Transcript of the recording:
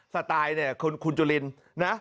สไตล์เนี่ยคุณจุลินนะ